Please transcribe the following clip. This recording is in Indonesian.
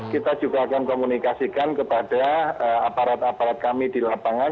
kita juga akan komunikasikan kepada aparat aparat kami di lapangan